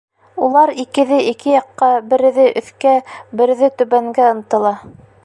Улар икеҙе ике яҡҡа, береҙе өҫкә, береҙе түбәнгә, ынтыла.